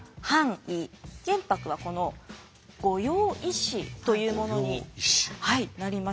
玄白はこの御用医師というものになりました。